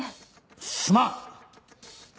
すまん！